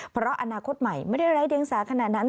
เพราะอนาคตใหม่ไม่ได้ไร้เดียงสาขนาดนั้น